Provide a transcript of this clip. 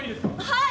はい！